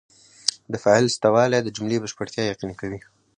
د فاعل سته والى د جملې بشپړتیا یقیني کوي.